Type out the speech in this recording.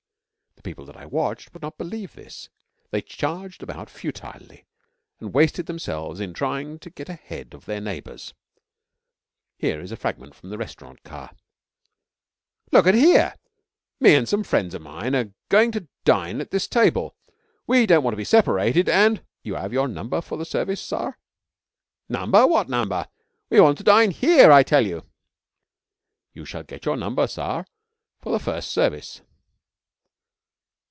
The people that I watched would not believe this. They charged about futilely and wasted themselves in trying to get ahead of their neighbours. Here is a fragment from the restaurant car: 'Look at here! Me and some friends of mine are going to dine at this table. We don't want to be separated and ' 'You 'ave your number for the service, sar?' 'Number? What number? We want to dine here, I tell you.' 'You shall get your number, sar, for the first service?'